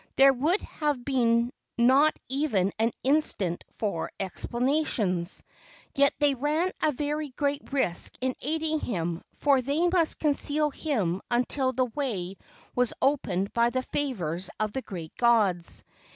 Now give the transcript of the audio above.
There would have been not even an instant for explanations. Yet they ran a very great risk in aiding him, for they must conceal him until the way was opened by the favors of the great gods.